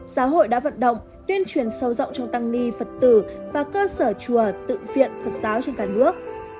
giáo hội đã vận động tuyên truyền sâu rộng trong tăng ni phật tử và cơ sở chùa tự viện phật giáo trên cả nước